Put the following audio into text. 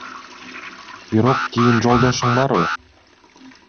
Бирок кийин Жолдошуң барбы?